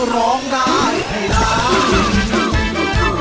ร้องได้ให้ร้าน